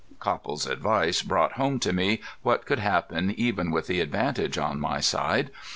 Copple's advice brought home to me what could happen even with the advantage on my side.